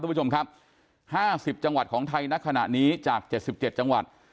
ทุกผู้ชมครับห้าสิบจังหวัดของไทยณขณะนี้จากเจ็ดสิบเจ็ดจังหวัด